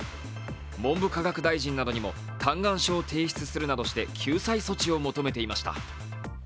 文部科学大臣などにも嘆願書を提出するなどして救済措置を求めていました。